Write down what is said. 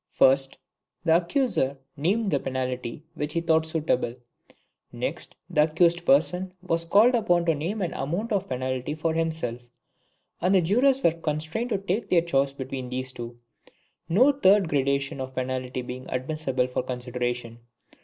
First, the accuser named the penalty which he thought suitable; next, the accused person was called upon to name an amount of penalty for himself, and the jurors were constrained to take their choice between these two; no third gradation of penalty being admissible for consideration.